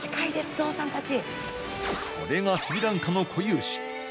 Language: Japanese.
ゾウさんたち！